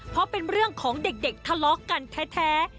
เพราะเป็นเรื่องของเด็กทะเลาะกันแท้